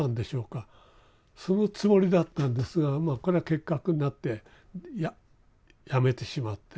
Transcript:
そのつもりだったんですがまあこれは結核になってやめてしまって。